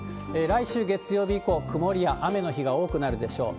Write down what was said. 来週月曜日以降、曇りや雨の日が多くなるでしょう。